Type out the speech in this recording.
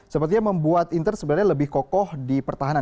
sepertinya membuat inter sebenarnya lebih kokoh di pertahanan